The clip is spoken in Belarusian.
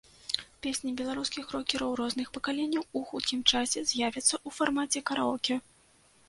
Песні беларускіх рокераў розных пакаленняў у хуткім часе з'явяцца ў фармаце караоке.